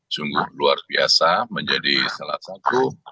sungguh luar biasa menjadi salah satu